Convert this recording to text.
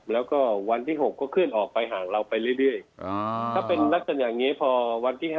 แล้วก็วันที่๖ก็เคลื่อนออกไปห่างเราไปเรื่อยถ้าเป็นลักษณะอย่างนี้พอวันที่๕